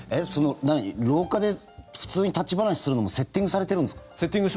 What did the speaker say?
廊下で普通に立ち話するのもセッティングします。